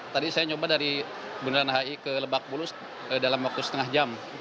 tadi saya nyoba dari bundaran hi ke lebak bulus dalam waktu setengah jam